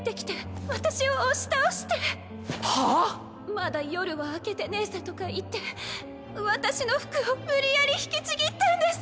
「まだ夜は明けてねえぜ」とか言って私の服を無理やり引きちぎったんです。